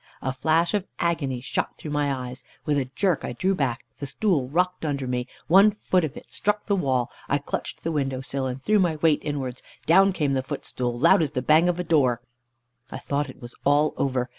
A flash of agony shot through my eyes. With a jerk I drew back, the stool rocked under me, one foot of it struck the wall. I clutched the window sill, and threw my weight inwards. Down came the foot of the stool, loud as the bang of a door. I thought it was all over.